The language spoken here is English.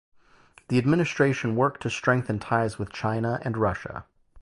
The administration worked to strengthen ties with China and Russia.